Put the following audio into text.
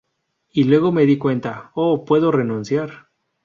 Y luego me di cuenta: 'Oh, puedo renunciar'".